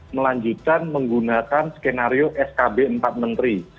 melanjutkan menggunakan skenario skb empat menteri